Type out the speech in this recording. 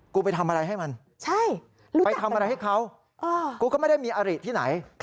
กูไปทำอะไรให้มันไปทำอะไรให้เขากูก็ไม่ได้มีอริที่ไหน